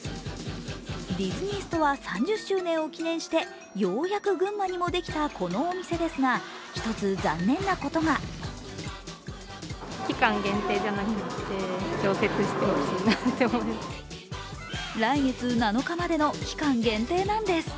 ディズニーストア３０周年を記念してようやく群馬にもできたこのお店ですが一つ残念なことが来月７日までの期間限定なんです